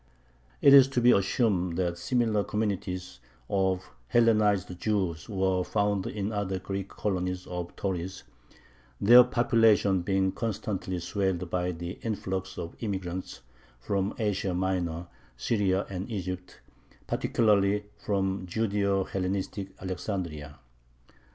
It is to be assumed that similar communities of Hellenized Jews were found in the other Greek colonies of Tauris, their population being constantly swelled by the influx of immigrants from Asia Minor, Syria, and Egypt, particularly from Judeo Hellenistic Alexandria.